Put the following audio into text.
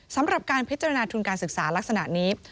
สำหรับการพิจารณาทุนการศึกษาลักษณะนี้